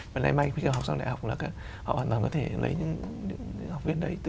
và nãy mai khi họ học xong đại học là họ hoàn toàn có thể lấy những học viên đấy